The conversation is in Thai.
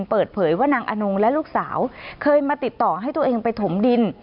เปิดเผยว่านางอนงและลูกสาวเคยมาติดต่อให้ตัวเองไปถมดิน